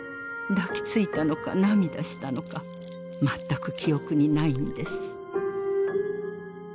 抱きついたのか涙したのか全く記憶にないんです。